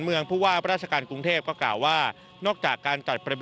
เพื่อป้องกันปัญหาคนเร็ดร่อน